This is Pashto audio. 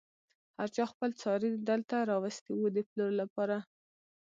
هر چا خپل څاری دلته راوستی و د پلور لپاره.